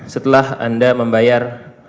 setelah anda membayar